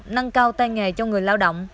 nâng cao tay nghề cho người lao động